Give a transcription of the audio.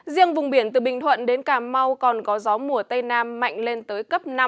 riêng vùng biển từ bình thuận đến cà mau còn có gió mùa tây nam mạnh lên tới cấp năm